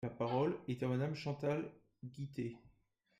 La parole est à Madame Chantal Guittet.